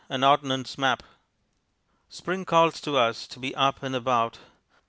An Ordnance Map Spring calls to us to be up and about.